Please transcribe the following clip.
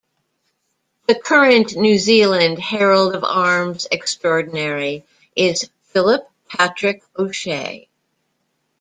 The current New Zealand Herald of Arms Extraordinary is Phillip Patrick O'Shea.